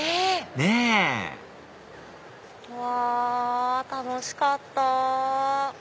ねぇうわ楽しかった！